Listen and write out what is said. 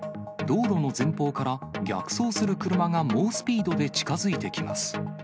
道路の前方から、逆走する車が猛スピードで近づいてきます。